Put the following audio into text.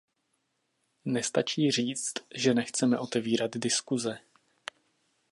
Nestačí říct, že nechceme otevírat diskuse.